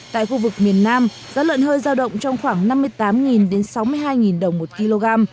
tại khu vực miền nam giá lợn hơi giao động trong khoảng năm mươi tám sáu mươi hai đồng một kg